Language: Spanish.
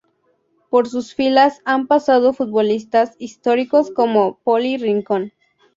Por sus filas han pasado futbolistas históricos como Poli Rincón.